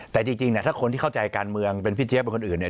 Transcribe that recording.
แต่จริงเนี่ยถ้าคนที่เข้าใจการเมืองเป็นพี่เจี๊ยเป็นคนอื่นเนี่ย